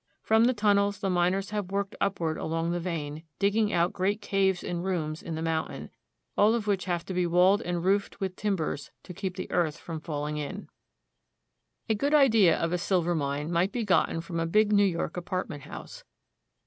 From the tunnels the miners have worked upward along the vein, digging out great caves and rooms in the mountain, all of which have to be walled and roofed with timbers to keep the earth from falling in. 250 THE ROCKY MOUNTAIN REGION. A good idea of a silver mine might be gotten from a big New York apartment house.